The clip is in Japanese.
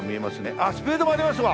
あっスペードもありますわ。